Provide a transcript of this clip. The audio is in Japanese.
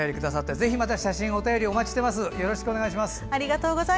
ぜひまた写真やお便りお待ちしています。